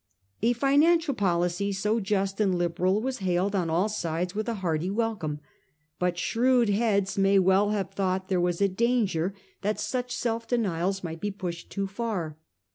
A financial policy so just and liberal was hailed on all sides with a hearty welcome, but shrewd heads may well have thought there was a danger that such self denial might be pushed too far.